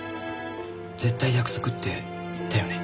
絶対約束って言ったよね？